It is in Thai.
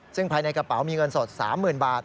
ซึ่งภายในกระเป๋ามีเงินสด๓๐๐๐บาท